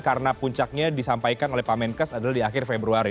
karena puncaknya disampaikan oleh pak menkes adalah di akhir februari